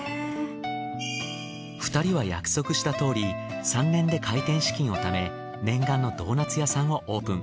２人は約束したとおり３年で開店資金を貯め念願のドーナツ屋さんをオープン。